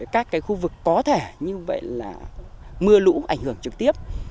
các khu vực có thể như vậy là mưa lũ ảnh hưởng trực tiếp